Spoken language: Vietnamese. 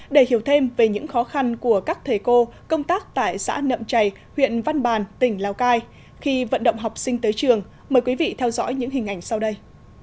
để hiểu thêm về những khó khăn của các thầy cô công tác tại xã nậm chảy huyện văn bàn tỉnh lào cai khi vận động học sinh tới trường mời quý vị theo dõi những hình ảnh sau đây